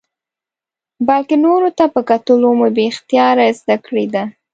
بلکې نورو ته په کتلو مو بې اختیاره زده کړې ده.